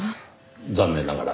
残念ながら。